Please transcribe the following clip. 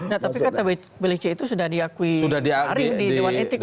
nah tapi ktbdc itu sudah diakui hari di dewan etik